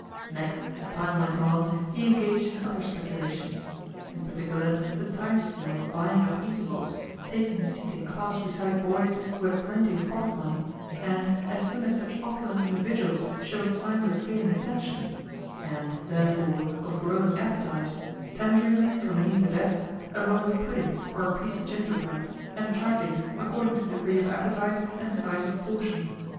Next, as time went on, he engaged in other speculations in particular, in the scheme of buying up eatables, taking his seat in class beside boys who had plenty of pocket money, and, as soon as such opulent individuals showed signs of failing attention (and, therefore, of growing appetite), tendering them, from beneath the desk, a roll of pudding or a piece of gingerbread, and charging according to degree of appetite and size of portion.